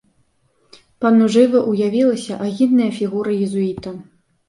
Пану жыва ўявілася агідная фігура езуіта.